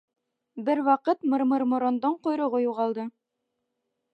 Бер ваҡыт Мырмырморондоң ҡойроғо юғалды.